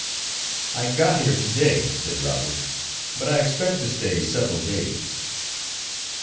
"I got here to day," said Robert, "but I expect to stay several days."